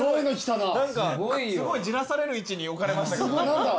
すごいじらされる位置に置かれましたけど。